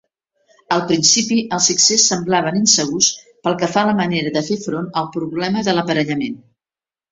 Al principi, els Sixers semblaven insegurs pel que fa a la manera de fer front al problema de l'aparellament.